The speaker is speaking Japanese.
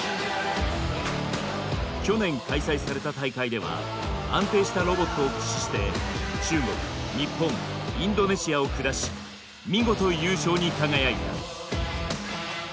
去年開催された大会では安定したロボットを駆使して中国日本インドネシアを下し見事優勝に輝いた。